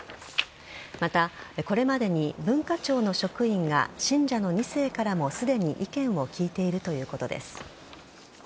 また、これまでに文化庁の職員が信者の２世からもすでに意見を聞いているということです。